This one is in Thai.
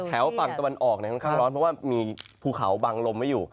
ฝั่งตะวันออกค่อนข้างร้อนเพราะว่ามีภูเขาบังลมไว้อยู่